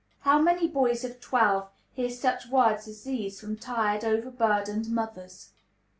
How many boys of twelve hear such words as these from tired, overburdened mothers?